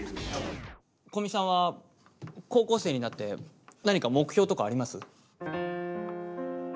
古見さんは高校生になって何か目標とかあります？